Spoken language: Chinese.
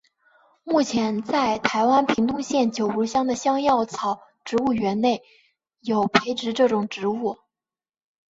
目前在台湾屏东县九如乡的香药草植物园区内有培植这种植物。